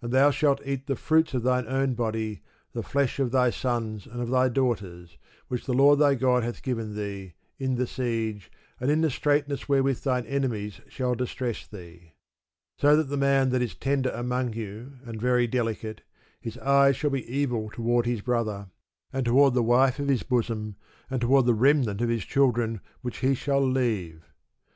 And thou shalt eat the fruit of thine own body, the flesh of thy sons and of thy daughters, which the Lord thy God hath given thee, in the siege, and in the straightness wherewith thine enemies shall distress thee: So that the man that is tender among you, and very delicate, his eyes shall be evil toward his brother, and toward the wife of his bosom, and toward the remnant of his children which he shall leave....